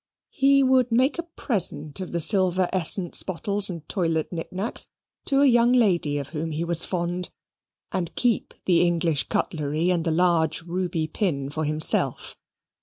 He would make a present of the silver essence bottles and toilet knicknacks to a young lady of whom he was fond; and keep the English cutlery and the large ruby pin for himself.